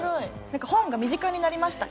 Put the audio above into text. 何か本が身近になりました